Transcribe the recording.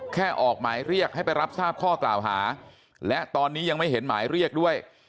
ออกหมายเรียกให้ไปรับทราบข้อกล่าวหาและตอนนี้ยังไม่เห็นหมายเรียกด้วย